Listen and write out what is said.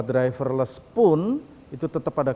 driverless pun itu tetap ada